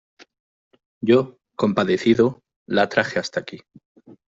yo, compadecido , la traje hasta aquí.